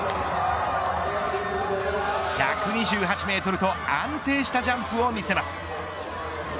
１２８メートルと安定したジャンプを見せます。